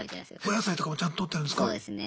お野菜とかもちゃんととってるんですか？